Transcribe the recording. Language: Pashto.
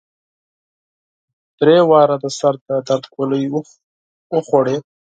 درې ځله د سر د درد ګولۍ وخوړې.